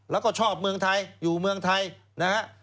แล้วก็ชอบเมืองไทยอยู่เมืองไทยนะฮะ